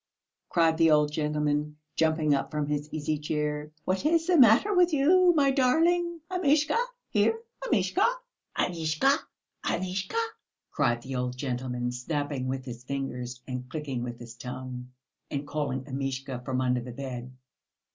cried the old gentleman, jumping up from his easy chair. "What is the matter with you, my darling? Amishka! here, Amishka! Amishka! Amishka!" cried the old gentleman, snapping with his fingers and clicking with his tongue, and calling Amishka from under the bed.